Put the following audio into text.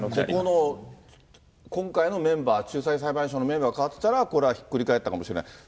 ここの、今回のメンバー、仲裁裁判所のメンバーが変わってたら、これはひっくり返ったかもしれない。